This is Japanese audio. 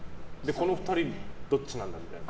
この２人のどっちなんだみたいな。